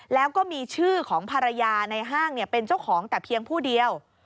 แล้วก็มีชื่อของภรรยาในห้างเป็นเจ้าของแต่เพียงผู้เดียว